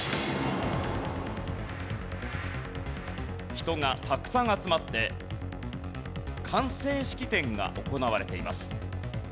人がたくさん集まって完成式典が行われています。